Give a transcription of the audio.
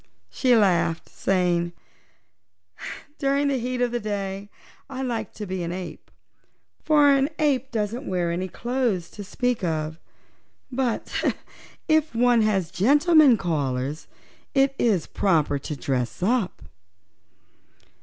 She laughed, saying: "During the heat of the day I like to be an ape, for an ape doesn't wear any clothes to speak of. But if one has gentlemen callers it is proper to dress up."